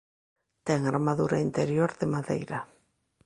Ten armadura interior de madeira.